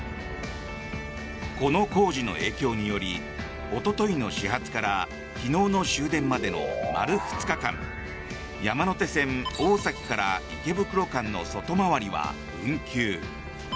この工事の影響によりおとといの始発から昨日の終電までの丸２日間山手線大崎から池袋間の外回りは運休。